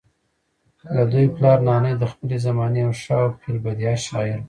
ددوي پلار نانے د خپلې زمانې يو ښۀ او في البديهه شاعر وو